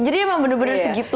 emang bener bener segitu